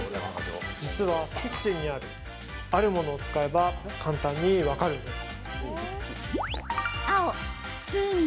実はキッチンにあるあるものを使えば簡単に分かるんです。